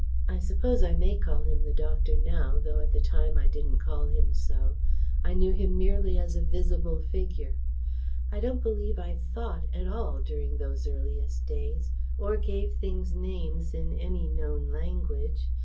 I suppose I may call him the doctor now, though at the time I didn't call him so I knew him merely as a visible figure. I don't believe I THOUGHT at all during those earliest days, or gave things names in any known language.